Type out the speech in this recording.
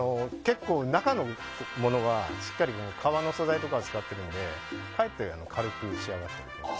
中のものはしっかり革の素材とかを使っているのでかえって軽く仕上がっています。